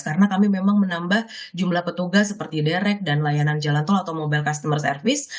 karena kami memang menambah jumlah petugas seperti direct dan layanan jalan tol atau mobile customer service